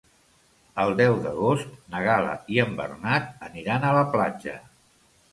El deu d'agost na Gal·la i en Bernat aniran a la platja.